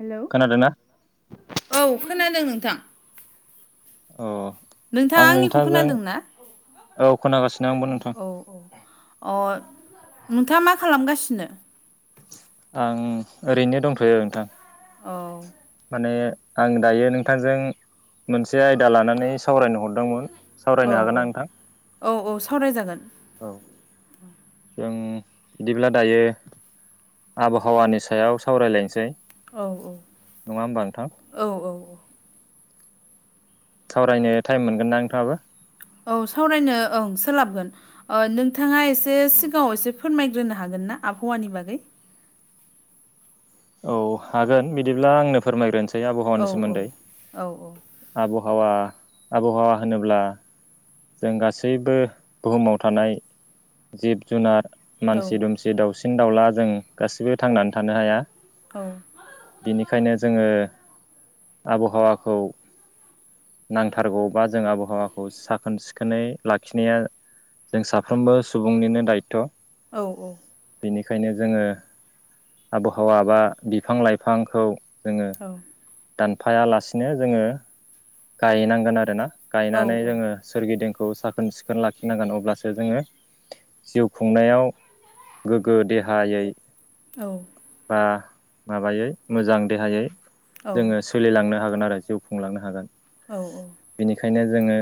Hello खोनादोंना औ खोनादों नोंथां। अ नोंथाङा आं आंनिखौ नोंथांजों खोनादों ना औ खोनागासिनो आंबो नोंथां। औ औ अ नोंथांङा मा खालामगासिनो? आं ओरैनो दंथ'यो नोंथां। औ माने आं दायो नोंथांजों मोनसे आयदा लानानै सावरायनो हर दोंमोन औ सावरायनो हागोन ना नोंथां? औ औ सावरायजागोन औ जों बिदिब्ला दायो आबहावानि सायाव सावरायलायनोसै औ औ नङा होमबा औ नोंथां औ औ सावरायनो टाइम मोनगोनदा नोंथांङाबो? औ सावरायनो ओं सोलाबगोन नोंथांङा एसे सिगांङाव एसे फोरमायग्रोनो हागोन ना आबहावानि बागै? औ हागोन बिदिब्ला आंनो फोरमायग्रोनोसै औ आबहावानि सोमोन्दै औ आबहावा आबहावा होनोब्ला जों गासैबो बुहुमाव थानाय जिब जुनार औ मानसि दुम जि दाउसिन दाउला जों गासिबो थांनानै थानो हाया। औ बिनिखायनो जोंङो आबहावाखौ नांथारगौ बा जों आबहावाखौ सा सान सिखोनै लाखिनाया जों साफ्रोमबो सुबुंनिनो दायथ' औ औ बेनिखायनो जोंङो आबहाव बा बिफां लाइफांखौ जोंङो औ दानफायालासिनो जोंङो गायनांगोन आरोना। औ गायनानै जोंङो सोरगिदिंखौ साखोन सिखोन लाखिनांगोन अब्लासो जोंङो जिउ खुंनायाव गोग्गो देहायै औ बा माबायै मोजां देहायै जोङो सो सोलिलांनो हागोन आरो जिउ खुंलांनो हागोन। औ औ बेनिखायनो जोङो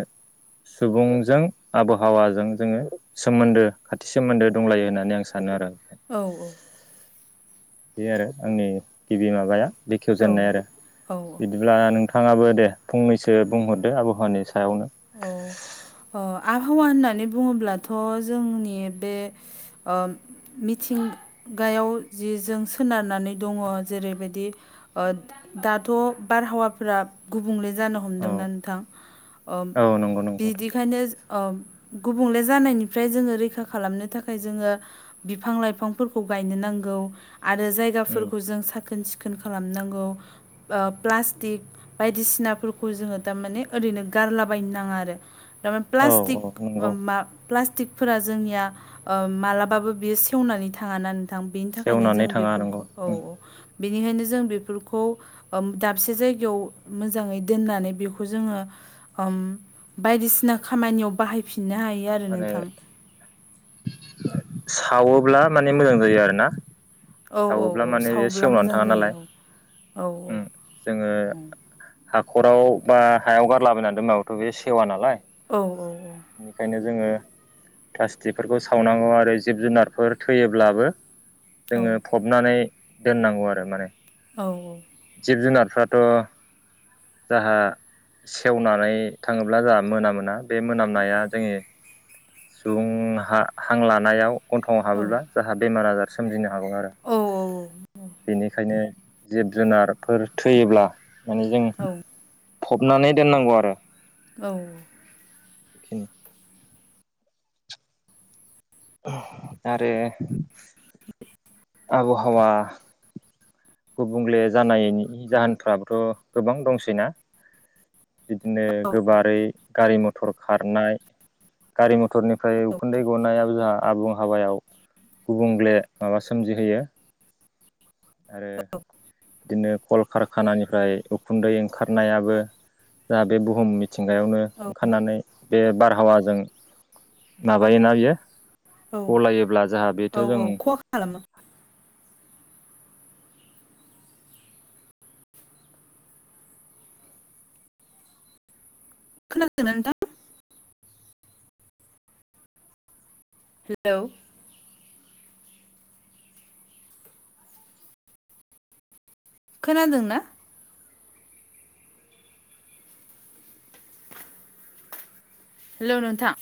सुबुंजों आबहावाजों जोङो सोमोन्दो खाथि सोमोन्दो दंलायो होननानै आं सानो आरो। ओमफाय औ औ बे आरो आंनि गिबि माबाया औ बेखेवजेननाय आरो औ औ बिदि ब्ला नोंथाङाबो दे फंनैसो बुंहरदो आबहावानि सायावनो औ ओ आबहावा होननानै बुङोब्लाथ' जोंनि बे ओम मिथिंगायाव जि जों सोनारनानै दङ जेरैबायदि ओ दाथ' बारहावाफोरा गुबुंले जानो औ हमदोंना नोंथां। ओम औ नंगौ नंगौ बिदि बेखायनो जो गुबुंले जानायनिफ्राय जोङो रैखा खालामनो थाखाय जोङो बिफां लाइफांफोरखौ गायनो नांगौ। आरो उम जायगाफोरखौ जों साखोन सिखोन खालाम नांगौ। ओ प्लास्टिक बायदिसिनाफोरखौ जोङो थामाने ओरैनो गारलाबायनो नाङा आरो थामा औ औ प्लास्टिक मा नंगौ मा प्लास्टिकफोरा जोंनिया ओ मालाबाबो बियो सेवनानै थाङा ना नो थां बेनि थाखायनो सेवनानै जों थाङा नंगौ बेफोरखौ औ उम औ बेनिखायनो जों बेफोरखौ ओम दाबसे जायगायाव मोजाङै दोननानै बेखौ जोङो। ओम बायदिसिना खामानियाव बाहायफिननो हायो। आरो मानो नोंथां सावोब्ला माने मोजां जायो आरो ना। औ औ सावोब्ला औ माने बे सावब्ला सेवनानै मोजां थाङा नालाय जायो औ उम जोङो हाखराव बा हायाव गारलाबायनानै दोनबाबोथ' बे सेवा नालाय औ औ औ बेनिखायनो जोङो प्लास्टिकफोरखौ सावनांगौ आरो जिब जुनारफोर थैयोब्लाबो औ जोङो फबनानै दोननांगौ आरो माने। औ औ जिब जुनारफोराथ' जाहा सेवनानै थाङोब्ला जाहा मोना मोना बे मोना नाया जोङो सुबुं हा हां लानायाव गन्थंआव हाबोब्ला जाहा बेमार आजार सोमजिनो हागौ आरो। बेनिखायनो जिब जुनारफोर थैयोब्ला माने जों फबनानै दोननांगौ आरो। औ खिनि आरो आब'हावा गुबुंले जानायनि जाहोनफ्राबोथ' गोबां दंसैना। बिदिनो गोबारै गारि मथर खारनाय गारि मथ थरनिफ्राय उखुन्दै गनायाबो जाहा आबुं हावायाव गुबुंगले माबा सोमजिहोयो। आरो दिनो कलकारखानानिफ्राय उखुन्दै ओंखारनायाबो जा बे बुहुम मि थिंगायावनो ओंखारनानै बे बारहावाजों माबायोना बियो। औ गलायोब्ला जोंहा औ बेथ' औ जों खहा खालामो। खोनादो ना नोंथां? हेलौ खोनादों ना? हेलौ नोंथां।